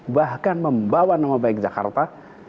bahkan membawa nama baik jakarta